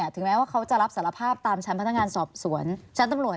ถึงแม้ว่าเขาจะรับสารภาพตามชั้นพนักงานสอบสวนชั้นตำรวจ